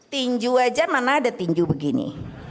tinju aja mana ada tinju begini